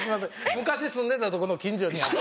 昔住んでたとこの近所にある。